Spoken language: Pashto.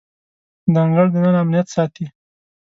د انګړ دننه امنیت ساتي.